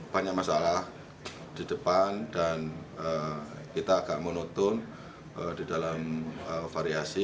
banyak masalah di depan dan kita agak monoton di dalam variasi